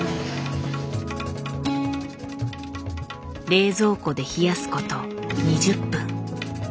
冷蔵庫で冷やすこと２０分。